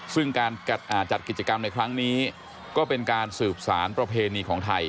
ซึ่งการจัดกิจกรรมในครั้งนี้ก็เป็นการสืบสารประเพณีของไทย